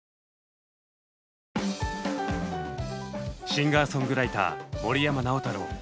シンガーソングライター森山直太朗。